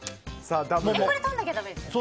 これ、取らなきゃだめですよね。